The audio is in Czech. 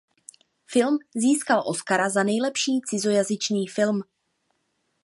Film získal Oscara za nejlepší cizojazyčný film.